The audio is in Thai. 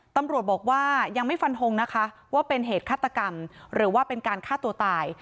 ตำรวจบอกว่ายังไม่ฟันทงนะคะว่าเป็นเหตุฆาตกรรมหรือว่าเป็นการฆ่าตัวตาย